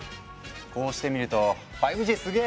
こうしてみると「５Ｇすげえ！